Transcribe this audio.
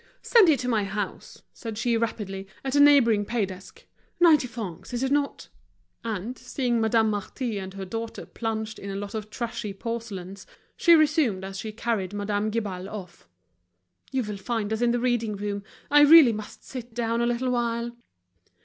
"Send it to my house," said she rapidly, at a neighboring pay desk. "Ninety francs, is it not?" And, seeing Madame Marty and her daughter plunged in a lot of trashy porcelains, she resumed, as she carried Madame Guibal off: "You will find us in the reading room, I really must sit down a little while."